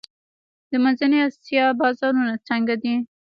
د منځنۍ اسیا بازارونه څنګه دي؟